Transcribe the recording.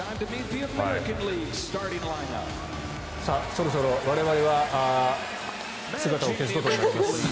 そろそろ我々は姿を消すことになります。